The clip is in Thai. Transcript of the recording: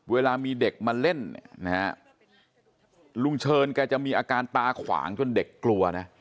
เวลามีเด็กมาเล่นลุงเชิญจะมีอาการตาขวางจนเด็กกลัวนะ